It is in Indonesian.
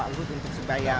pak luhut untuk supaya bisa